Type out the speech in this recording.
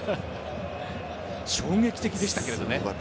衝撃的でしたけれどもね。